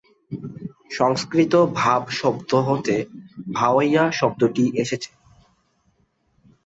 সংস্কৃত "ভাব" শব্দ হতে "ভাওয়াইয়া" শব্দটি এসেছে।